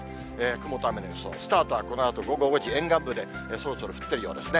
雲と雨の予想、スタートはこのあと午後５時、沿岸部でちょろちょろ降ってるようですね。